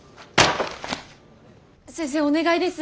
先生お願いです。